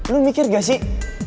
lo mikir gak sih